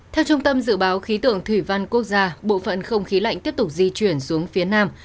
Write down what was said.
theo trung tâm dự báo khí tượng thủy văn quốc gia bộ phận không khí lạnh tiếp tục di chuyển xuống phía nam